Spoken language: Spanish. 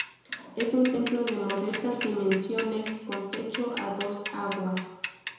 Es un templo de modestas dimensiones, con techo a dos aguas.